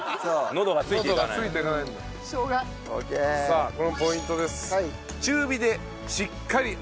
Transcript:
さあこれもポイントです。